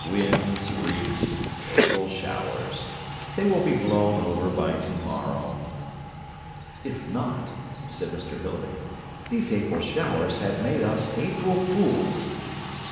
Whims, freaks, April showers. They will be blown over by to morrow.' 'If not,' said Mr Hilary, 'these April showers have made us April fools.'